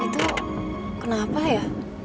itu kenapa ya